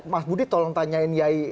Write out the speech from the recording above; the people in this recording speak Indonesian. mas budi tolong tanyain yai